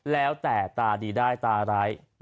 แล้วแต่ตาดีได้ตาร้ายได้ล่ะกอกัน